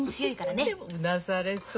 でもうなされそう。